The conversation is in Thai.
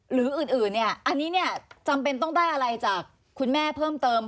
หรืออื่นเนี่ยอันนี้เนี่ยจำเป็นต้องได้อะไรจากคุณแม่เพิ่มเติม